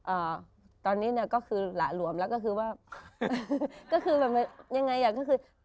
อ่าตอนนี้เนี่ยก็คือหละหลวมแล้วก็คือว่าก็คือแบบยังไงอ่ะก็คือ